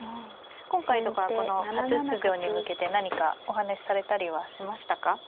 今回とかこの初出場に向けて何かお話しされたりはしましたか。